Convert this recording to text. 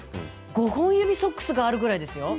５本指ソックスがあるぐらいですよ？